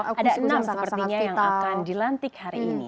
ada enam sepertinya yang akan dilantik hari ini